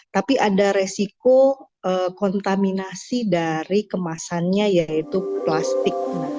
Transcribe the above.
tapi ada resiko kontaminasi dari kemasannya yaitu plastik